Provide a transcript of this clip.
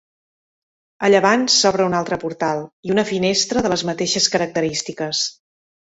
A llevant s'obre un altre portal i una finestra de les mateixes característiques.